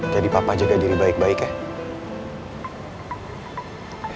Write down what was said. jadi papa jaga diri baik baik ya